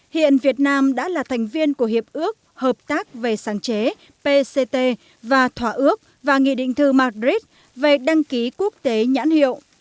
hiện việt nam đã là thành viên của hiệp ước hợp tác về sáng chế pct và thỏa ước và nghị định thư madrid về đăng ký quốc tế nhãn hiệu